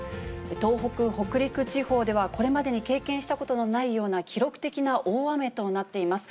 東北、北陸地方ではこれまでに経験したことのないような記録的な大雨となっています。